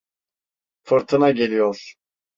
Fırtına geliyor.